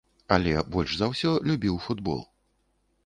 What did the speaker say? Але больш за ўсё любіў футбол.